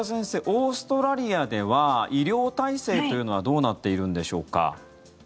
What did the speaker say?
オーストラリアでは医療体制というのはどうなっているんでしょうか。